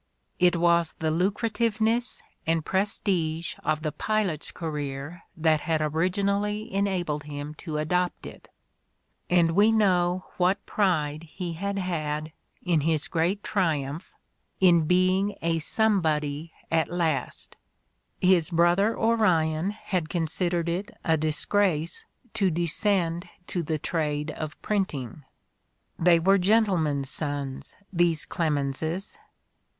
It was the lucrativeness and prestige of the pilot's career that had originally enabled him to adopt it, and we know what pride he had had in his "great triumph," in being a somebody at last: his brother Orion had considered it a "disgrace" to descend to the trade of printing: they were gentleman's sons, these Clemenses!